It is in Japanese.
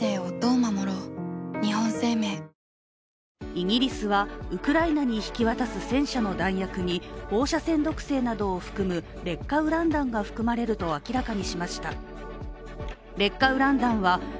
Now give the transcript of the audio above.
イギリスはウクライナに引き渡す戦車の弾薬に放射線毒性などを含む、劣化ウラン弾が含まれると明らかにしました。